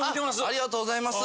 ありがとうございます。